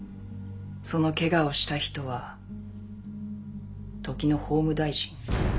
そのケガをした人は時の法務大臣。